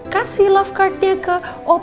kasih love cardnya ke opa suria oma